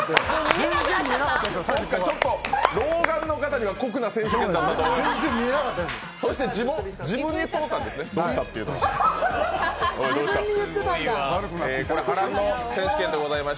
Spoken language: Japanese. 老眼の方には酷な選手権でございます。